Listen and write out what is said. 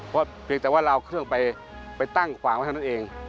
เพราะเพียงแต่ว่าเราเอาเครื่องไปตั้งขวางไว้เท่านั้นเอง